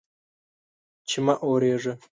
چې مه اوریږه